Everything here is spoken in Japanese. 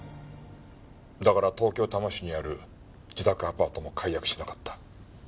だから東京多摩市にある自宅アパートも解約しなかった。